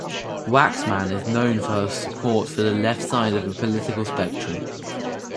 Waxman is known for her support for the left side of the political spectrum.